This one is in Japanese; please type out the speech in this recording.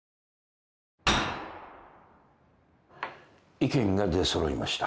意見が出揃いました。